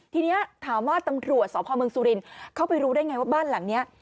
ทีนี้ถามว่าตำรวจสพเมืองสุรินทร์เข้าไปรู้ได้ไงว่าบ้านหลังนี้